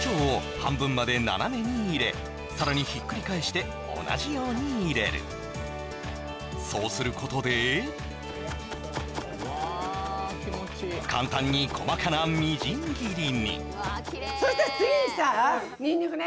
すごいさらにひっくり返して同じように入れるそうすることで簡単に細かなみじん切りにそしたら次にさニンニクね